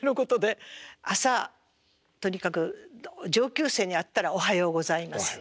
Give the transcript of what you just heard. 朝とにかく上級生に会ったら「おはようございます」。